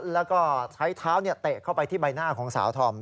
แล้วก็ใช้เท้าเตะเข้าไปที่ใบหน้าของสาวธอม